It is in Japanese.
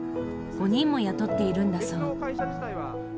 ５人も雇っているんだそう。